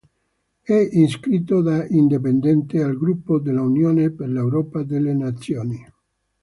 È iscritto, da indipendente, al gruppo dell'Unione per l'Europa delle Nazioni.